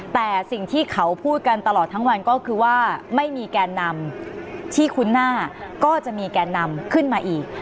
แต่สิ่งที่เขาพูดกันตลอดทั้งวันก็คือว่าไม่มีแกนนำที่คุ้นหน้าก็จะมีแกนนำขึ้นมาอีก